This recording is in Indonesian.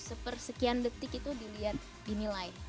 sepersekian detik itu dilihat dinilai